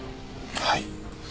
はい。